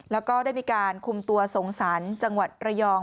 แล้วก็ได้มีการคุมตัวสงสารจังหวัดระยอง